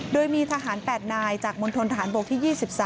โดยมีทหารแปดนายจากมนตรฐานบกที่๒๓